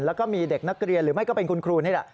แล้วก็มีเด็กนักเรียนหรือไม่ก็เป็นคุณครูนี่แหละ